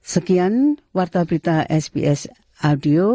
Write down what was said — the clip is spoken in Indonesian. sekian warta berita sps audio